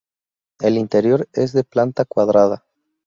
El interior es de planta cuadrada.